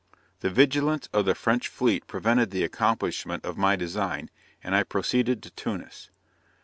The vigilance of the French fleet prevented the accomplishment of my design, and I proceeded to Tunis.